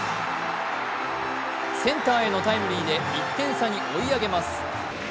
センターへのタイムリーで１点差に追い上げます。